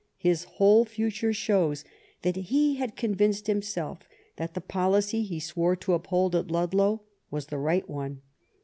His whole future shows that he had convinced himself that the policy he swore to uphold at Ludlow was the right one.